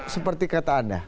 seperti kata anda